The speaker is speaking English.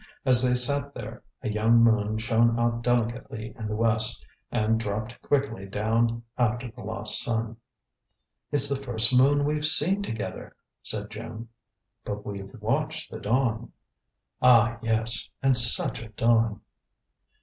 As they sat there, a young moon shone out delicately in the west, and dropped quickly down after the lost sun. "It's the first moon we've seen together!" said Jim. "But we've watched the dawn." "Ah, yes; and such a dawn!"